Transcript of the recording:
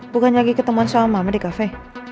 bukan lagi ketemuan sama mama di kafe